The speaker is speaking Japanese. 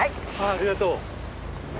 ありがとう。